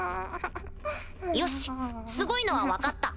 よしすごいのは分かった。